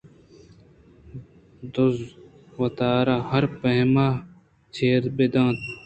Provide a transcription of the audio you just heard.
دُز وتارا ہر پیم چیر بہ دنت